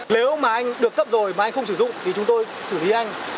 nếu mà anh được cấp rồi mà anh không sử dụng thì chúng tôi xử lý anh